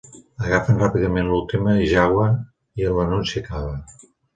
Agafen ràpidament l'última Jawa i l'anunci acaba.